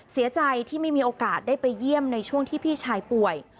เสียใจที่ไม่มีโอกาสได้ไปเยี่ยมในช่วงที่พี่ชายป่วย